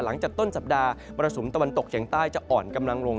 หลังจากต้นสัปดาห์มรสุมตะวันตกเฉียงใต้จะอ่อนกำลังลง